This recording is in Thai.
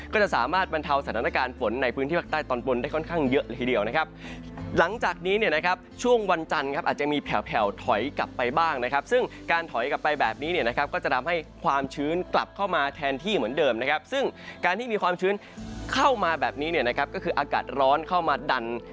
ก็จะสามารถบรรเทาสถานการณ์ฝนในพื้นที่ภาคใต้ตอนบนได้ค่อนข้างเยอะเลยทีเดียวนะครับหลังจากนี้เนี่ยนะครับช่วงวันจันทร์ครับอาจจะมีแผลวถอยกลับไปบ้างนะครับซึ่งการถอยกลับไปแบบนี้เนี่ยนะครับก็จะทำให้ความชื้นกลับเข้ามาแทนที่เหมือนเดิมนะครับซึ่งการที่มีความชื้นเข้ามาแบบนี้เนี่ยนะครับก็คืออากาศร้อนเข้ามาดัน